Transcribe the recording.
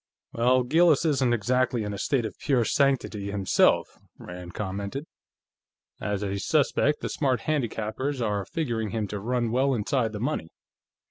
"Well, Gillis isn't exactly in a state of pure sanctity, himself," Rand commented. "As a suspect, the smart handicappers are figuring him to run well inside the money.